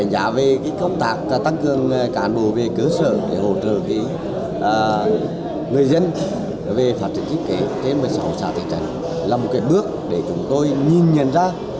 đó là một bước để chúng tôi nhìn nhận ra